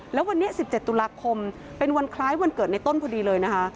แล้ววันนี้๑๗ตุลาคมเป็นวันคล้ายวันเกิดในต้นพอดีเลยนะคะ